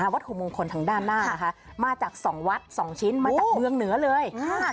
วัตถุมงคลทางด้านหน้านะคะมาจาก๒วัด๒ชิ้นมาจากเมืองเหนือเลย